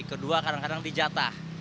kedua kadang kadang dijatah